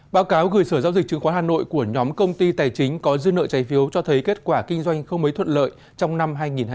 báo cáo gửi sở giao dịch chứng khoán hà nội của nhóm công ty tài chính có dư nợ trái phiếu cho thấy kết quả kinh doanh không mấy thuận lợi trong năm hai nghìn hai mươi ba